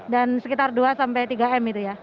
dan sekitar dua sampai tiga m itu ya